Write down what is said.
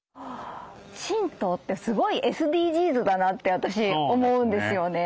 神道ってすごいＳＤＧｓだなって私思うんですよね。